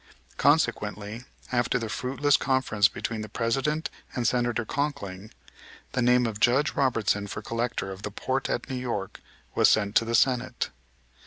Consequently, after the fruitless conference between the President and Senator Conkling, the name of Judge Robertson for Collector of the port at New York, was sent to the Senate.